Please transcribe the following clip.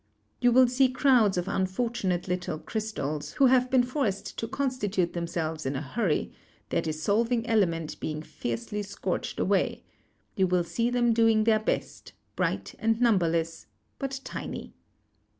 You will see crowds of unfortunate little crystals, who have been forced to constitute themselves in a hurry, their dissolving element being fiercely scorched away ; you 258 GEOLOGY will see them doing their best, bright and numberless, but tiny.